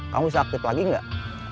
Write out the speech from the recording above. kamu bisa aktif lagi nggak